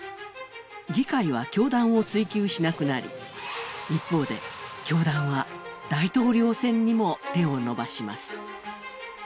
議会は教団を追及しなくなり、一方で、教団は大統領選にも手を伸ばします。